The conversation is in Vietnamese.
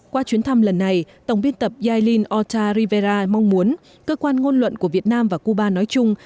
qua chuyến thăm lần này tổng biên tập yailin ota rivera mong muốn cơ quan ngôn luận của việt nam và cuba nói chung